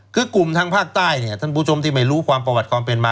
คือกลุ่มทางภาคใต้เนี่ยท่านผู้ชมที่ไม่รู้ความประวัติความเป็นมา